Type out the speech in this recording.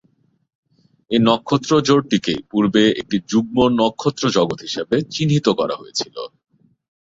এই নক্ষত্র-জোড়টিকে পূর্বে একটি যুগ্ম-নক্ষত্র জগৎ হিসেবে চিহ্নিত করা হয়েছিল।